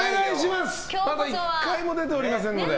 まだ１回も出ておりませんので。